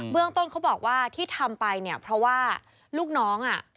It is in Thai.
เรื่องต้นเขาบอกว่าที่ทำไปเนี่ยเพราะว่าลูกน้องอ่ะ